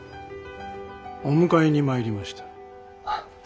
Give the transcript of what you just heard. お迎えに参りました。